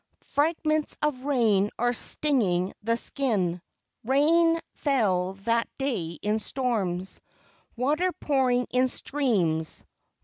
Fragments of rain are stinging the skin— Rain fell that day in storms, Water pouring in streams.